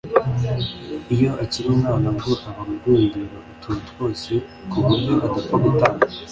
iyo akiri umwana bwo aba agundira utuntu twose ku buryo adapfa gutanga